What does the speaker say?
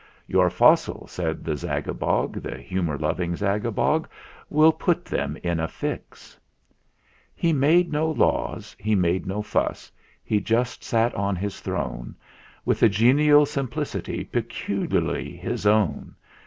"Your fossil," said the Zagabog, The humour loving Zagabog, "Will put them in a fix!" VII. He made no laws, he made no fuss ; he just sat on his throne 124 THE FLINT HEART With a genial simplicity peculiarly his own.